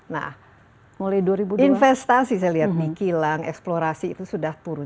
nah mulai investasi saya lihat di kilang eksplorasi itu sudah turun